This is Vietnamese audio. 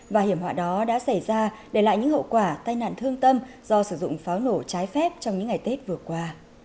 và hiểm họa đó đã xảy ra để lại những hậu quả tai nạn thương tâm do sử dụng pháo nổ trái phép trong những ngày tết vừa qua